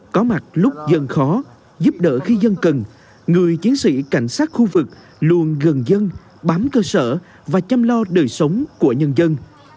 có mặt lúc dân khó giúp đỡ khi dân cần người chiến sĩ cảnh sát khu vực luôn gần dân bám cơ sở và chăm lo đời sống của nhân dân